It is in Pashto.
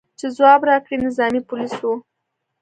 چې ځواب راکړي، نظامي پولیس و.